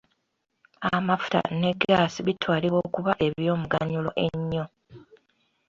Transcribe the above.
Amafuta ne gaasi bitwalibwa okuba eby'omuganyulo ennyo.